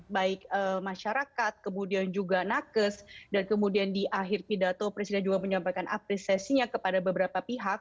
baik masyarakat kemudian juga nakes dan kemudian di akhir pidato presiden juga menyampaikan apresiasinya kepada beberapa pihak